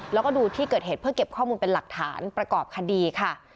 แล้วก็ดูที่เกิดเหตุเพื่อเก็บข้อมูลเป็นหลักฐานประกอบคดีค่ะ